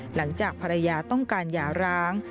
หลังจากภรรยาต้องการหย่าร้าง